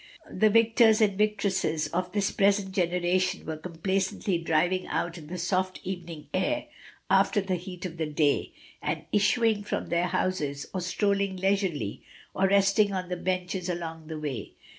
The victors and victoresses of this present generation were complacently driving out in the soft evening air, after the heat of the day, and issuing from their houses, or strolling leisurely or resting on the benches SUSANNA AND HER MOTHER. 125 along the way.